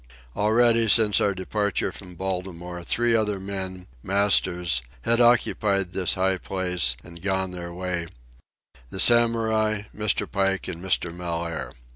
Already, since our departure from Baltimore, three other men, masters, had occupied this high place and gone their way—the Samurai, Mr. Pike, and Mr. Mellaire.